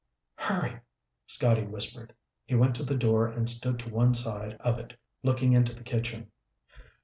"Hurry," Scotty whispered. He went to the door and stood to one side of it, looking into the kitchen.